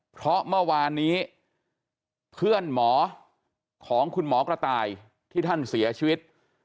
เพราะเมื่อวานนี้เพื่อนหมอของคุณหมอกระต่ายที่ท่านเสียชีวิต